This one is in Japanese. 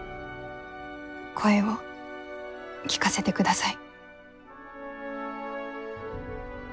声を聞かせてください。